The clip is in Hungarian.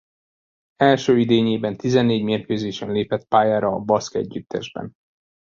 Első idényében tizennégy mérkőzésen lépett pályára a baszk együttesben.